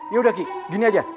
yaudah ki gini aja